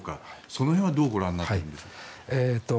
その辺はどうご覧になっていますか？